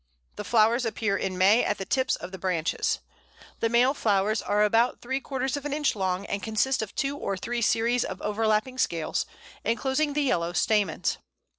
The flowers appear in May at the tips of the branches. The male flowers are about three quarters of an inch long, and consist of two or three series of overlapping scales, enclosing the yellow stamens.